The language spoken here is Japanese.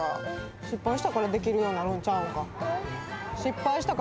失敗したからできるようになるんちゃうんか？